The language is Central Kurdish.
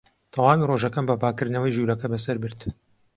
تەواوی ڕۆژەکەم بە پاککردنەوەی ژوورەکە بەسەر برد.